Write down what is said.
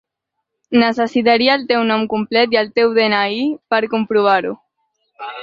Necessitaria el teu nom complet i el teu de-ena-i per comprovar-ho.